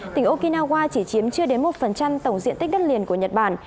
tỉnh okinawa chỉ chiếm chưa đến một tổng diện tích đất liền của nhật bản